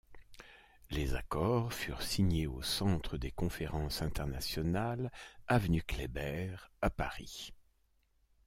Les accords furent signés au centre des conférences internationales, avenue Kléber à Paris.